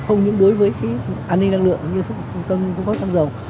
không những đối với cái an ninh năng lượng như sức cung cấp cung cấp tăng dầu